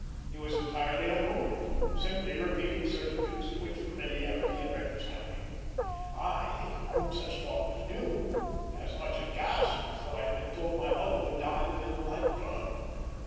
He was entirely unmoved, simply repeating certitudes to which familiarity had reconciled him; I, to whom such talk was new, as much aghast as though I had been told my mother would die within the like term.